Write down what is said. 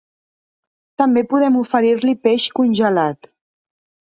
També podem oferir-li peix congelat.